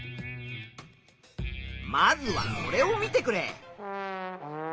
まずはこれを見てくれ。